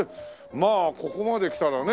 まあここまで来たらね。